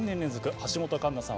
橋本環奈さん